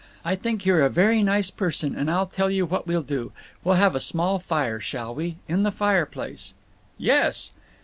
… I think you're a very nice person, and I'll tell you what we'll do. We'll have a small fire, shall we? In the fireplace." "Yes!"